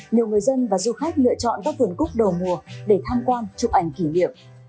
nhiều người dân và du khách lựa chọn các vườn cúc đầu mùa để tham quan chụp ảnh kỷ niệm